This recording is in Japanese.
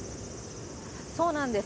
そうなんです。